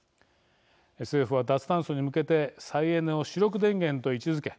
政府は脱炭素に向けて再エネを主力電源と位置づけ